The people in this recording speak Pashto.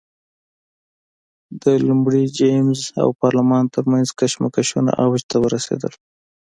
د لومړي جېمز او پارلمان ترمنځ کشمکشونه اوج ته ورسېدل.